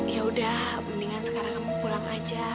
yaudah mendingan sekarang kamu pulang aja